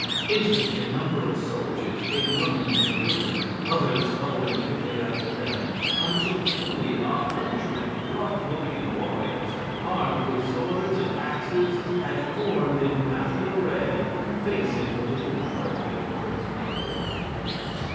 Instantly a number of soldiers came running from the building, others following quickly after them until fully a hundred rough looking warriors, armed with swords and axes, had formed in battle array, facing the little party of Prince Marvel.